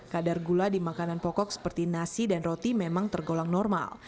kadar gula di makanan pokok seperti nasi dan roti memang tergolong normal